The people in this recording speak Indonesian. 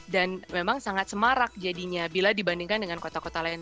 dan memang sangat semarak jadinya bila dibandingkan dengan kota kota lain